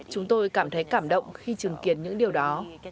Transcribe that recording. chúng tôi cảm thấy cảm động khi chứng kiến những điều đó